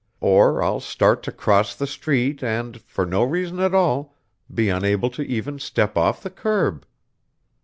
Or I'll start to cross the street and, for no reason at all, be unable to even step off the curb...."